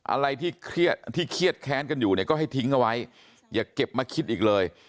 อะไรที่เครียดที่เครียดแค้นกันอยู่เนี่ยก็ให้ทิ้งเอาไว้อย่าเก็บมาคิดอีกเลย